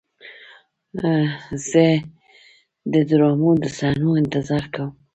زه د ډرامو د صحنو انتظار کوم.